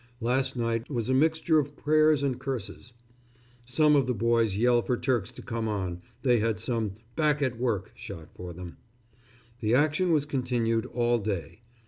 Last night was a mixture of prayers and curses. Some of the boys yell for Turks to come on they had some "back at work" shot for them. The action was continued all day.